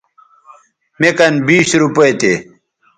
مے کن بیش روپے تھے